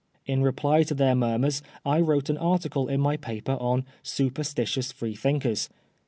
In reply to their murmurs I wrote an article in my paper on " Superstitious Freethinkers."